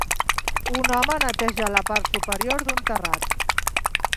Un home neteja la part superior d'un terrat